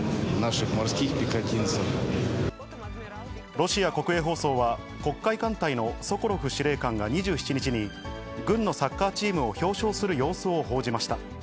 ロシア国営放送は、黒海艦隊のソコロフ司令官が２７日に、軍のサッカーチームを表彰する様子を報じました。